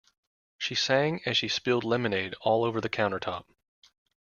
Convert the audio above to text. She sang as she spilled lemonade all over the countertop.